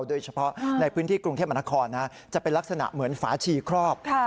โดยเฉพาะในพื้นที่กรุงเทพมนาคมจะเป็นลักษณะเหมือนฝาชีครอบ